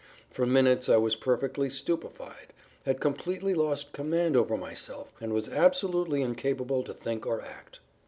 For minutes I was perfectly stupefied, had completely lost command over myself and was absolutely incapable to think or act.